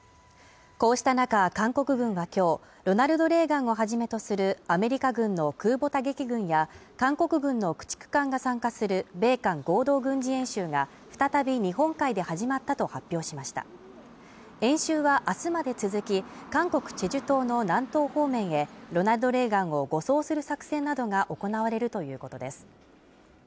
こうした中、韓国軍がきょう「ロナルド・レーガン」をはじめとするアメリカ軍の空母打撃群や韓国軍の駆逐艦が参加する米韓合同軍事演習が再び日本海で始まったと発表しました演習は明日まで続き韓国チェジュ島の南東方面へ「ロナルド・レーガン」を護送する作戦などが行われるということです